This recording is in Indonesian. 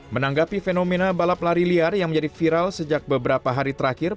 menanggapi fenomena balap lari liar yang menjadi viral sejak beberapa hari terakhir